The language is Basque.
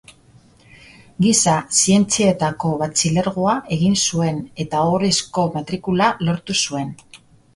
Giza zientzietako Batxilergoa egin zuen, eta ohorezko matrikula lortu zuen.